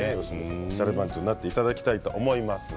おしゃれ番長になっていただきたいと思います。